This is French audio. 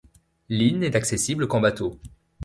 L'île n'est accessible qu'en bateau.